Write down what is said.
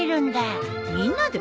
みんなで？